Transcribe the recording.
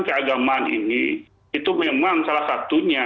keagamaan ini itu memang salah satunya